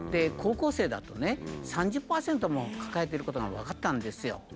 高校生だとね３０％も抱えてることが分かったんですよ。